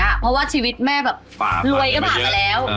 เพราะว่าชีวิตแม่แบบรวยก็ผ่านมาแล้ว